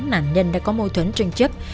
nạn nhân đã có mâu thuẫn tranh chấp